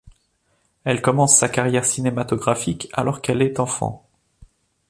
Elle commence sa carrière cinématographique alors qu'elle est enfant.